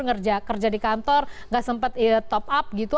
kerja kerja di kantor nggak sempat top up gitu